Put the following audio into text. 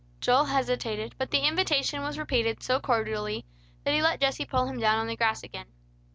Joel hesitated; but the invitation was repeated so cordially, that he let Jesse pull him down on the grass again.